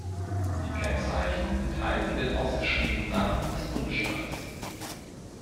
Die Kennzeichen enthalten den ausgeschriebenen Namen des Bundesstaates.